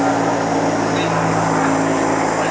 โรงพยาบาลโรงพยาบาล